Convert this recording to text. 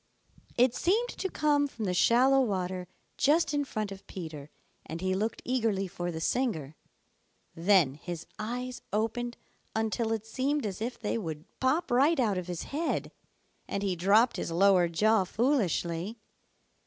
It seemed to come from the shallow water just in front of Peter, and he looked eagerly for the singer. Then his eyes opened until it seemed as if they would pop right out of his head, and he dropped his lower jaw foolishly.